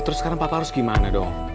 terus sekarang papa harus gimana dong